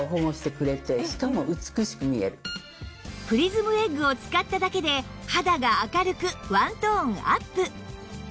プリズムエッグを使っただけで肌が明るくワントーンアップ